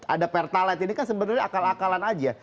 ada pertalite ini kan sebenarnya akal akalan aja